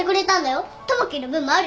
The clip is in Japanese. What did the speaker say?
友樹の分もあるよ。